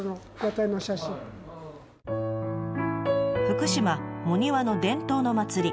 福島茂庭の伝統の祭り。